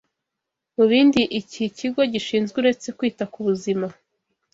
Mu bindi iki kigo gishinzwe uretse kwita ku buzima